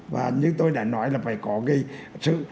và như tôi đã nói là phải có cái sự